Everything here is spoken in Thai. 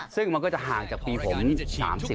ซึ่งมันก็จะห่างจากปีผมสี่หวาน